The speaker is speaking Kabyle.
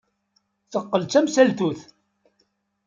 Teqqel d tamsaltut.